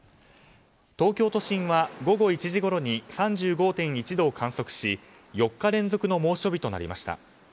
東京都心は午後１時ごろに３５．１度を観測し４日連続の猛暑日となりました。